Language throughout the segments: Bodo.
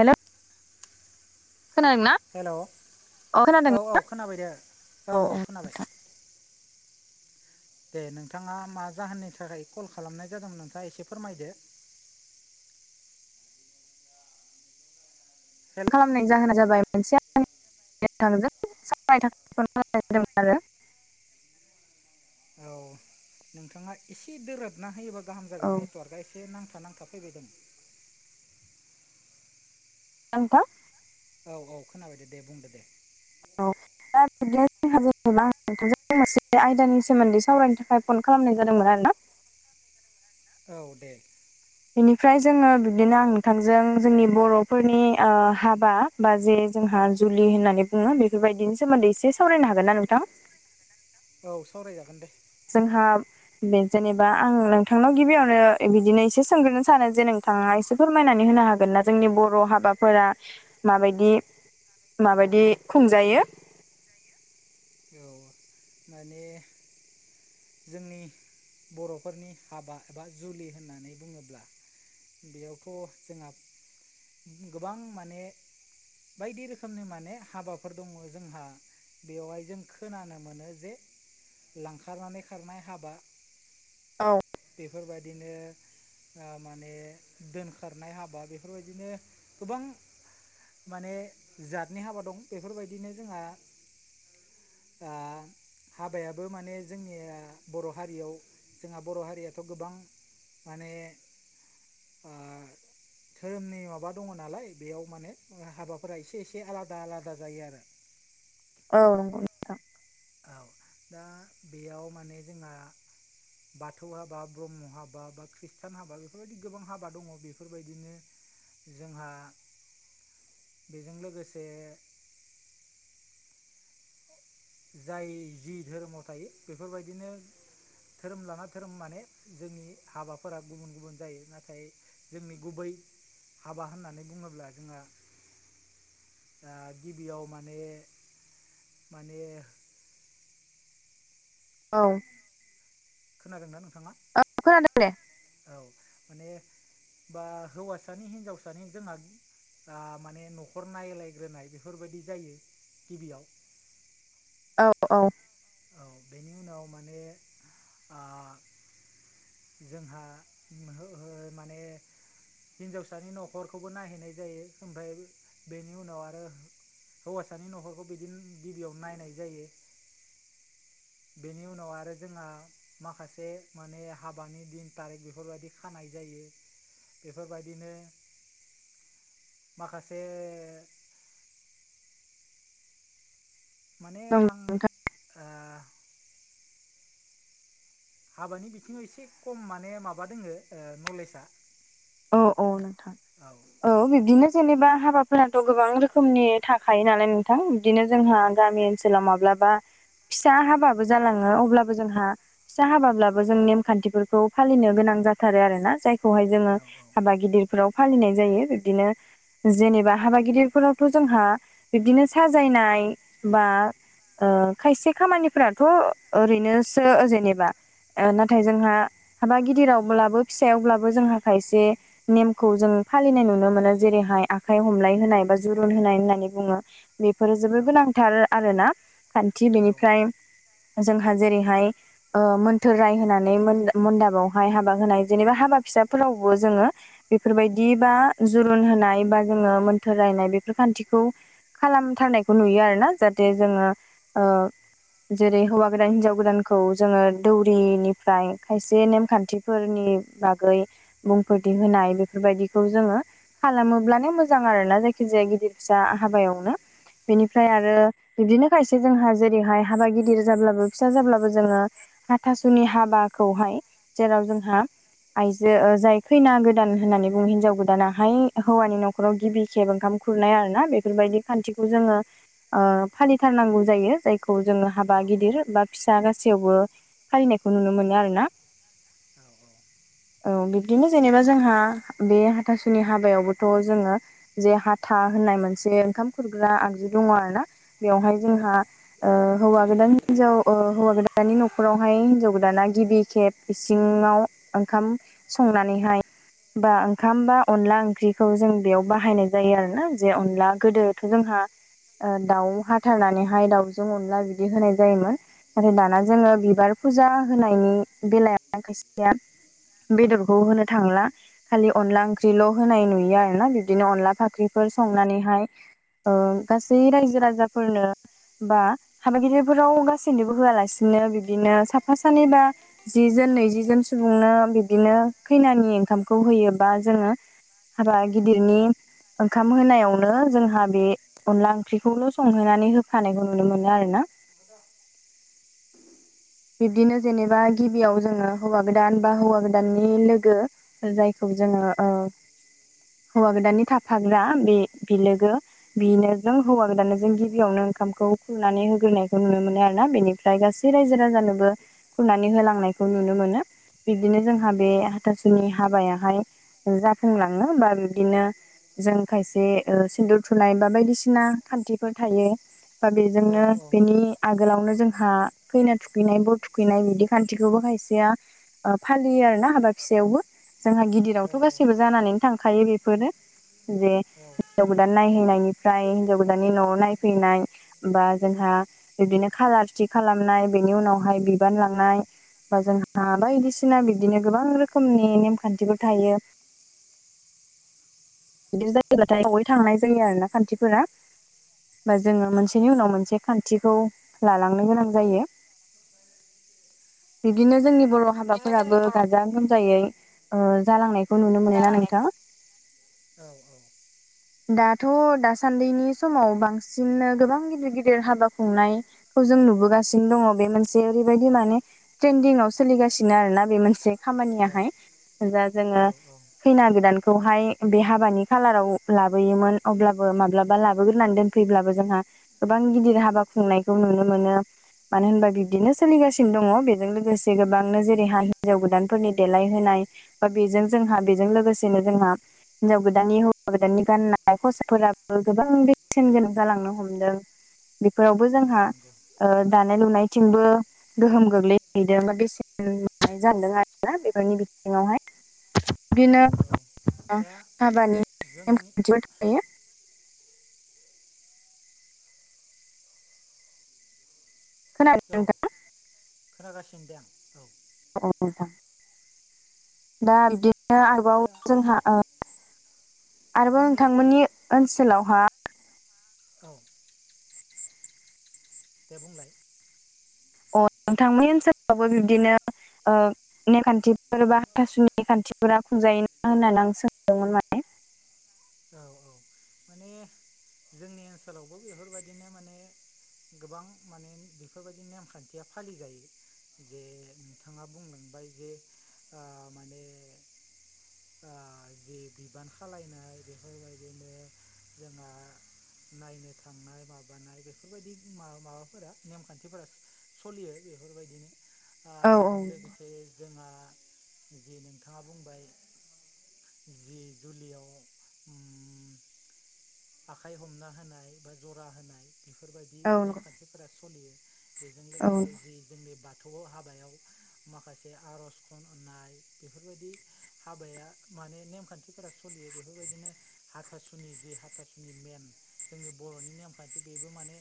हेलौ खोनादों ना? हेलौ अ खोनादों औ औ खोनाबाय दे औ औ खोनाबाय। दे नोंथांङा मा जाहोननि थाखाय कल खालामनाय जादोंमोन नोंथांङा एसे फोरमायदो। हेल खालामनायनायनि जाहोना जाबाय मोनसे आ थांजों [unintelligible] जादोंमोन आरो औ नोंथांङा एसे दोराबना होयोबा गाहाम जागोन औ नेटवार्कआ एसे एसे नांथा नांथा फैबायदों नोंथां औ औ खोनाबायदो दे बुंदो दे औ दा बिदिनो जोंहा जेनेबा नोंथांजोंसे आयदानि सोमोन्दै सावरायनो थाखाय फन खालामनाय जादोंमोन आरो ना औ दे बेनिफ्राय जोंङो बिबदिनो आं नोंथांजों जोंनि बर'फोरनि हाबा बा जे जोंहा जुलि होननानै बुंङो बेफोरबायदिनि सोमोन्दै एसे सावरायनो हागोन ना नोंथां औ सावरायजागोन दे जोंहा बे जेनेबा आं नोंथांनाव गिबियावनो बिदिनो एसे सोंग्रोनो सानो जे नोंथांङा एसे फोरमायनानै होनो हागोन ना जोंनि बर' हाबाफोरा माबायदि माबायदि खुंजायो औ माने जोंनि बर'फोरनि हाबा एबा जुलि होननानै बुंङोब्ला बेयावथ' जोंहा गोबां माने बायदि रोखोमनि माने हाबाफोर दंङो जोंहा बेवहाय जों खोनानो मोनो जे लांखारनानै खारनाय हाबा औ बेफोरबायदिनो माने दोनखारनाय हाबा बेफोरबायदिनो गोबां माने जातनि हाबा दं बेफोरबायदिनो जोंहा हाबायाबो माने जोंनिया बर' हारियाव जोंहा बर' हारियाथ' गोबां माने ओ धोरोमनि माबा दंङो नालाय बेयाव माने हाबाफोरा एसे एसे आलादा आलादा जायो आरो औ नंगौ औ दा बेयाव माने जोंहा बाथौ हाबा ब्रह्म हाबा बा खृष्टान हाबा बेफोरबायदि गोबां हाबा दंङो बेफोरबायदिनो जोंहा बेजों लोगोसे जाय जि धोरोमाव थायो बेफोरबायदिनो धोरोम लाना धोरोम माने जोंनि हाबाफोरा गुबुन गुबुन जायो नाथाय जोंनि गुबै हाबा होननानै बुंङोब्ला जोंहा ओ गिबियाव माने माने औ खोनादों ना नोंथांङा औ खोनादों दे औ माने बा हौवासानि हिनजावसानि जोंहा दा माने न'खर नायलायग्रोनाय बेफोरबायदि जायो गिबियाव औ औ औ बेनि उनाव माने जोंहा माने हिनजावसानि न'खरखौबो नायहैनाय जायो ओमफ्राय बेनि उनाव आरो हौवासानि न'खरखौ बिदिनो गिबियावनो नायनाय जायो। बेनि उनाव आरो जोंहा माखासे माने हाबानि दिन थारिख बेफोरबायदि खानाय जायो बेफोरबायदिनो माखासे माने नंगौ आं नोंथां ओ हाबानि बिथिङाव एसे खम माने माबा दोङो ओ नलेजआ औ औ नोंथां। औ बिब्दिनो जेनेबा हाबाफोराथ' गोबां रोखोमनि थाखायो नालाय नों थां बिदिनो औ जोंहा गामि ओनसोलाव माब्लाबा फिसा हाबाबो जालाङो अब्लाबो जोंहा फिसा हाबाब्लाबो जों नेमखान्थिफोरखौ फालिनो गोनां जाथारो आरोना जायखौहाय जों औ औ औ। हाबा गिदिरफोराव फालिनाय जायो बिब्दिनो जेनेबा हाबा गिदिरफोरावथ' जोंहा बिब्दिनो साजायनाय बा ओ खायसे खामानिफोराथ' ओरैनोसो जेनेबा ओ नाथाय जोंहा हाबा गिदिरावब्लाबो फिसायावब्लाबो जोंहा खायसे नेमखौ जों फालिनाय नुनो मोनो जेरैहाय आखाइ हमलाय होनाय बा जुरुन होनाय होननानै बुङो। बेफोरो जोबोद गोनांथार आरोना खान्थि औ उम बेनिफ्राय जोंहा जेरैहाय ओ मोन्थोर रायहोनानै मोनदा मोनदाबावहाय हाबा होनाय जेनेबा हाबा फिसाफोरावबो जोङो बेफोरबायदि बा जुरुन होनाय बा जोङो मोन्थोर रायनाय बेफोर खान्थिखौ खालामथारनायखौ नुयो आरोना जाहाथे जोङो ओ जेरै हौवा गोदान हिनजाव गोदानखौ जोङो दौरिनिफ्राय खायसे नेमखान्थि फोरनि बागै बुंफोरथि होनाय बेफोरबायदिखौ जोङो खालामोब्लानो मोजां आरोना जायखिजाया गिदिर फिसा हाबायावनो औ बेनिफ्राय आरो बिब्दिनो खायसे जोंहा जेरैहाय हाबा गिदिर जाब्लाबो फिसा जाब्लाबो जोङो हाथासुनि हाबाखौहाय जेराव जोंहा जे ओ जाय खैना गोदान होननानै बुङो हिनजाव गोदानाहाय हौवानि न'खराव गिबि खेब ओंखाम खुरनाय आरोना बे फोरबायदि खान्थिखौ जोङो ओ फालिथारनांगौ जायो जायखौ जोङो औ हाबा गिदिर बा फिसा गासैयावबो फालिनायखौ नुनो मोनो आरोना औ बिब्दिनो जेनेबा जोंहा बे हाथासुनि हाबायावबोथ' जोङो जे हाथा होननाय मोनसे ओंखाम खुरग्रा आगजु दङ आरोना बेवहाय जोंहा ओ हौवा गोदान हिनजाव ओ हौवा गोदानानि न'खरावहाय हिन्जाव गोदाना गिबि खेब इसिङाव ओंखाम संनानैहाय बा ओंखाम बा अनला ओंख्रिखौ जों बेयाव बाहायनाय जायो आरोना जे अनला गोदोथ' जोंहा ओ दाउ हाथारनानैहाय दाउजों अनला बिदि होनाय जायोमोन। आरो दाना जोङो बिबार फुजा होनायनि बेलायाव खायसेया बेदरखौ होनो थांला खालि अनला ओंख्रिल' होनाय नुयो आरोना बिब्दिनो अनला फाख्रिफोर संनानैहाय ओ गासै रायजो राजाफोरनो बा हाबा गिदिरफोराव गासैनोबो होआलासिनो बिब्दिनो साफा सानै बा जि जोननै नैजि जोन सुबुंनो बिब्दिनो खैनानि ओंखामखौ होयोबा जोङो हाबा गिदिरनि ओंखाम होनायावनो जोंहा बे अनला ओंख्रिखौल' संहैनानै होफानायखौ नुनो मोनो आरोना। बिब्दिनो जेनेबा गिबियाव जोङो हौवा गोदान बा हौवा गोदाननि लोगो जायखौ जोङो ओ हौवा गोदाननि थाफाग्रा बि-बिलोगो बिनो जों हौवा गोदानानो जों गिबियावनो ओंखामखौ खुरनानै होग्रोनायखौ नुनो मोनो आरोना बेनिफ्राय गासै रायजो राजानोबो खुरनानै होलांनायखौ नुनो मोनो बिब्दिनो जोंहा बे हाथासुनि हाबायाहाय जाफुंलाङो बा बिदिनो जों खायसे ओ सिन्दर थुनाय बा बायदिसिना खान्थिफोर थायो। बा बेजोंनो बेनि आगोलावनो जोंहा खैना थुखै [unintelligible] नाय बर थुखैनाय बिदि खान्थिखौबो खायसेया ओ फालियो आरोना हाबा फिसायावबो। जोंहा गिदिरावथ' गासैबो जानानैनो थांखायो बेफोरो जे हिन्जाव गोदान नायहैनायनिफ्राय हिन्जाव गोदाननि न'वाव नायफैनाय बा जोंहा बिदिनो खालार थि खालामनाय बेनि उनावहाय बिबान लांनाय बा जोंहा बायदिसिना बिबदिनो गोबां रोखोमनि नेमखान्थिफोर थायो। बिदि जायोब्लाथाय जयै थांनाय जायो आरो ना खान्थिफोरा [unintelligible] बा जोङो मोनसेनि उनाव मोनसे खान्थिखौ लालांनो गोनां जायो बिदिनो जोंनि बर' हाबा फोराबो गाजा गोमजायै ओ जालांनायखौ नुनो मोनो ना नोंथां औ औ दाथ' दासान्दिनि समाव बांसिननो गोबां गिदिर गिदिर हाबा खुंनाय खौ जों नुबोगासिनो दङ बे मोनसे ओरैबायदि माने ट्रेन्दिंआव सोलिगासिनो आरोना बे मोनसे औ औ खामानियाहाय दा जोङो औ औ खैना गोदानखौहाय बे हाबानि खालाराव लाबोयोमोन अब्लाबो माब्लाबा लाबोग्रोनानै दोनफैब्लाबो जोंहा गोबां गिदिर हाबा खुंनायखौ नुनो मोनो। मानो होनबा बिब्दिनो सोलिगासिनो दङ बेजों लोगोसे गोबांनो जेरैहा हिन्जाव गोदानफोरनि देलायहोनाय। बा बेजों जोंहा बेजों लोगोसेनो जोंहा हिनजाव गोदाननि हौवा गोदाननि गाननाय खसाफोराबो गोबां बेसेन गोनां जालांनो हमदों। बिफोरावबो जोंहा नंगौ नंगौ दानाय लुनायथिंबो गोहोम गोग्लैहैदों बा बेसेननाय जदों आरोना बेफोरनि बिथिङावहाय। बिदिनो औ दा हाबानि जोंनि नेमखान्थियाव थायो। खोनादों औव नोंथां खोनागासिनो दे आं। औ औ नोंथां। दा बिदिनो आरोबाव दा जोंहा ओ आरोबाव नोंथांमोननि जोंनिखिबो ओनसोलावहा औ दे बुंलाय नोंथांमोननि ओनसोलावबो बिबदिनो ओ ने खान्थिफोर बा हाथासुनि खान्थिफोरा खुंजायोना होननानै आं सोंदोंमोन माने औ-औ माने जोंनि ओनसोलावबो बेफोरबायदिनो माने गोबां माने बेफोरबायदि नेमखान्थिया फालिजायो। जे नोंथाङा बुंलांबाय जे ओ माने ओ जि बिबान खालनाय बेफोरबायदिनो जोंहा नायनो थांनाय। माबानाय बेफोरबायदि मा माबाफोरा नेमखान्थिफोरा सलियो बेफोरबायदिनो। ओ बेजों औ लोगोसे जोंहा जि नोंथाङा बुंबाय। जि जुलियाव उम आखाइ हमना होनाय बा जरा होनाय बेफोरबायदि औ नेमखान्थिफोरा स'लियो। बेजों औ औ लोगोसे जि जोंनि बाथौ हाबायाव माखासे आर'ज खन नाय बेफोरबायदि हाबाया माने नेमखान्थिफोरा सलियो बेफोरबायदिनो हाथासुनि जि हाथासुनि मेन जोंनि बर'नि नेमखान्थि बेबो माने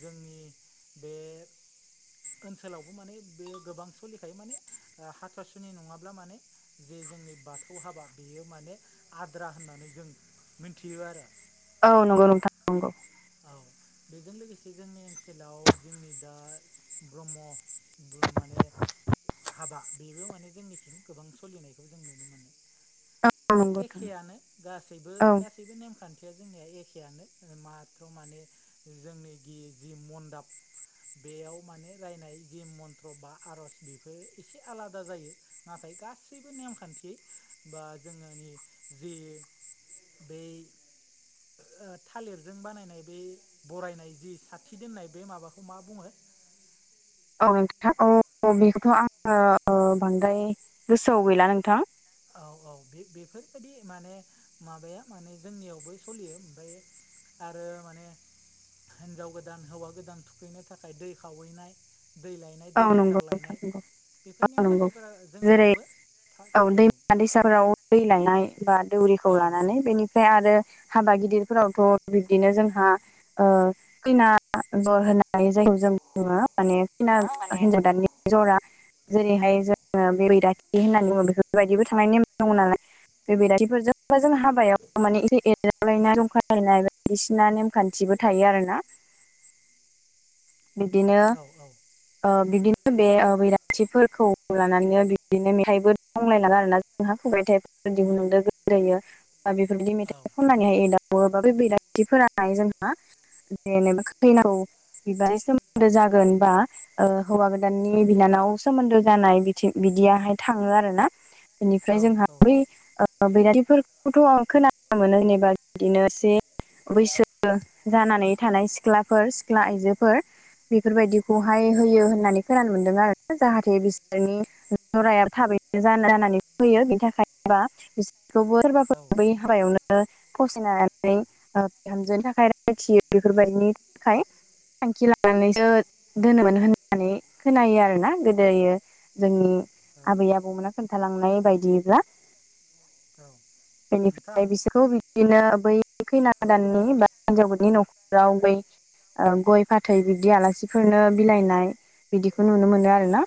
जोंनि बे ओनसोलावबो माने बे गोबां सोलिखायो माने हाथासुनि नङाब्ला माने जे जोंनि बाथौ हाबा बेयो माने आद्रा होननानै जों मिथियो आरो औ नंगौ नोंथां नंगौ। औ बेजों लोगोसे जोंनि ओनसोलाव जोंनि दा ब्रह्म माने हाबा बेबो माने जोंनिसिम गोबां सलिनाय बे नंगौ एखेयानो गासैबो औ गासैबो नेमखान्थि जोंनिया एखेआनो माथो माने जोंनि गि जि मन्दाब बेयाव माने रायनाय जि मन्त्र बा आर'ज बेफोर एसे आलादा जायो। नाथाय गासैबो नेमखान्थि बा जोनि जि बे ओ थालिरजों बानायनाय बे बरायनाय जि साथि दोननाय बे माबाखौ मा बुङो? औ नोंथाङा औ बेखौथ' आङो बांद्राय गोसोआव गैला नोंथां। औ औ बे बेफोरबायाददि माने माबाया माने जोंनियावबो सोलियो ओमफ्राय आरो माने हिनजाव गोदान हौवा गोदान थुखैनो थाखाय दै खावैनाय। दै लायनाय औ दै नंगौ गोथार नोंथां लायनाय नंगौ बेफोर औ नंगौ नेमखान्थिफोरा जेरै जोंनियावबो औ दैमा दैसाफोराव दै लायनाय बा दौरिखौ औ लानानै बेनि फ्राय आरो हाबा गिदिरफोरावथ' बिबदिनो जोंहा ओ खैना दर होनाय जायखौ जों बुङो माने खैना [unintelligible] [unintelligible] जरा जेरैहाय जोङो [unintelligible] होननानै बुङो बेफोरबायदिबो थांनायनि नेम दङ' नालाय बे बेराथिफोरजोंबा जों हाबायाव माने एसे एरावलायनाय जंखायलायनाय बिसिना नेमखान्थिबो थायो आरो ना। बिदिनो औ ओ बिदिनो बे ओ बैराथिफोरखौ लानानै बिदिनो मेथाइबो दंलायलाङो आरोना जोंहा [unintelligible] दिहुनलांदों गोदोयो बा बेफोरबायदि मेथाइ ख होननानैहाय एदावो बा बे बैराथिफोराय जोंहा जेनेबा खैनाखौ बिबाज सोमोन्दो जागोन बा ओ हौवा गोदाननि बिनानाव सोमोन्दो जानाय बिथिं बिदियाहाय थाङो आरोना बेनिफ्राय जोंहा बै ओ बैरिफोरखौथ' आं खोनानो मोनो जेनेबा बिदिनो एसे बैसो जानानै थानाय सिख्लाफोर सिख्ला आइजो फोर बेफोरबायदिखौहाय होयो होननानै खोनानो मोनदों आरो जाहाथे बिसोरनि जरायाबो थाबैनो जाना-जानानै होनानानै फैयो बिनि थाखायबा बिसोरखौबो औ सोरबाफोर बै हाबायावनो फसायनानै ओ बिहामजोनि थाखाय रायथियो बेफोरबायदिनि थाखाय थांखि लानानैसो दोनोमोन होननानै खोनायो आरोना गोदोयो जोंनि आबै आबौमोना खोन्थालांनाय बायदिब्ला नोंथां बेनिफ्राय बिसोरखौ बिदिनो बै खैना हेलौ हेलौ गोदाननि बा हिनजावफोरनि न'खराव बै ओ गय फाथै बिब्दि आलासिफोरनो बिलाइनाय बिदिखौ नुनो मोनो आरो ना।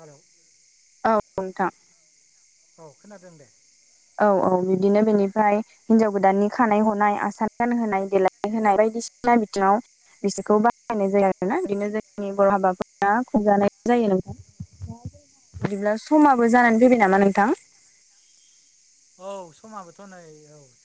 हेलौ औ नोंथा औ खोनादों दे औ औ बिदिनो बिनिफ्राय हिन्जाव गोदाननि खानाय हनाय आसान गानहोनाय देलायनाय होनाय बायदिसिना बिथिङाव बिसोरखौ बाहायनाय जायो आरोना बिनो जोंनि बर' हाबाफोरा खुंजानाय जायो नोंयां [inaudible] बिदिब्ला समाबो जानानै फैबाय नामा नोंथां औ समाबोथ' नै औ